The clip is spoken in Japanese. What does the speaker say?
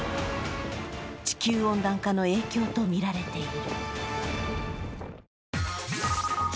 地球温暖化の影響とみられている。